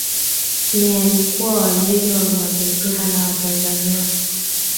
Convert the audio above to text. ni aliyekuwa waziri wa mazingira na watanzania huyo